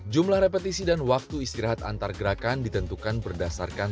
jumlah repetisi dan waktu istirahat antargerakan ditentukan berdasarkan